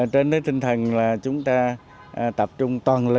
trên tinh thần là chúng ta tập trung toàn lực